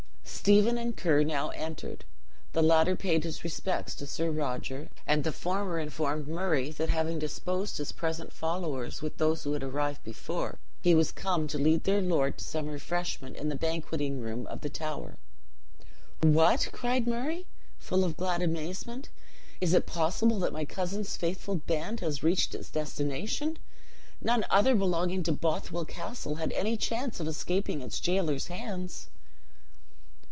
Stephen and Ker now entered; the latter paid his respects to Sir Roger, and the former informed Murray that having disposed his present followers with those who had arrived before, he was come to lead their lord to some refreshment in the banqueting room of the tower. "What?" cried Murray, full of glad amazement; "is it possible that my cousin's faithful band has reached its destination? None other belonging to Bothwell Castle had any chance of escaping its jailer's hands."